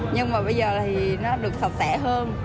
nhưng mà bây giờ thì nó được sạch sẽ hơn